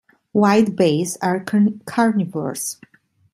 White bass are carnivores.